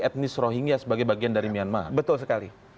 etnis rohingya sebagai bagian dari myanmar